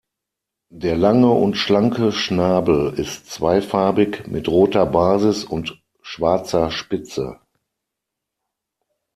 Der lange und schlanke Schnabel ist zweifarbig mit roter Basis und schwarzer Spitze.